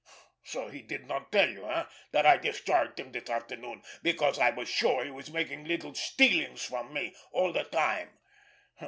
So he did not tell you, eh, that I discharged him this afternoon because I was sure he was making little stealings from me all the time?